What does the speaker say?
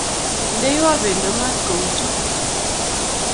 Ndeiwo bendo maat ko utu